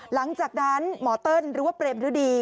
หลังจากนั้นหมอเติ้ลหรือว่าเปรมฤดี